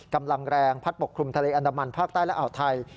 กำลังแรงพัดปกคลุมทะเลอันดามันภาคใต้และอ่าวไทย